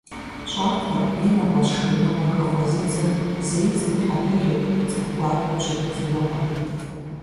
ЩӀакхъуэр е нэгъуэщӀ шхыныгъуэр хыфӀэзыдзэр зэи цӀыху хьэлэлу, цӀыху гуапэу щытыфынукъым.